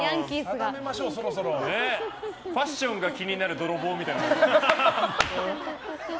ファッションが気になる泥棒みたいな。